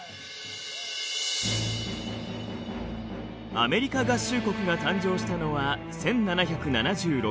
アメリカ合衆国が誕生したのは１７７６年。